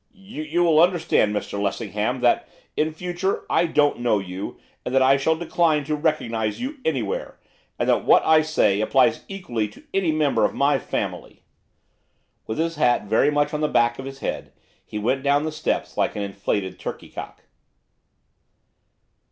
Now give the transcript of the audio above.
'You will understand, Mr Lessingham, that, in future, I don't know you, and that I shall decline to recognise you anywhere; and that what I say applies equally to any member of my family.' With his hat very much on the back of his head he went down the steps like an inflated turkeycock.